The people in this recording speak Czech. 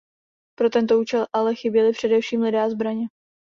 Pro tento účel ale chyběly především lidé a zbraně.